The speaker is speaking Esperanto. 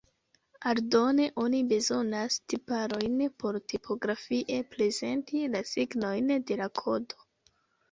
Aldone oni bezonas tiparojn por tipografie prezenti la signojn de la kodo.